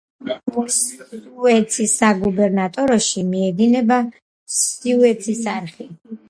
სუეცის საგუბერნატოროში მიედინება სუეცის არხი.